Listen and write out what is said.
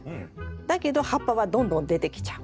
だけど葉っぱはどんどん出てきちゃう。